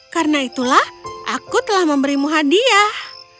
karena itulah aku telah memberimu hadiah